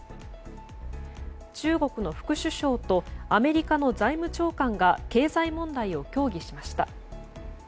中国の副首相とアメリカの財務長官が経済問題を協議しました。